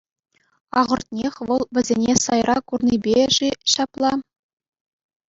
Ахӑртнех, вӑл вӗсене сайра курнипе-ши ҫапла.